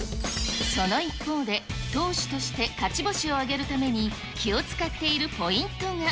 その一方で、投手として勝ち星を挙げるために、気を遣っているポイントが。